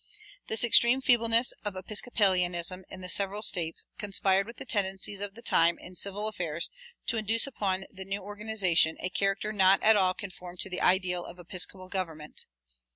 "[210:1] This extreme feebleness of Episcopalianism in the several States conspired with the tendencies of the time in civil affairs to induce upon the new organization a character not at all conformed to the ideal of episcopal government.